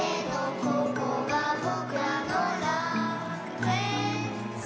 「ここがぼくらの楽園さ」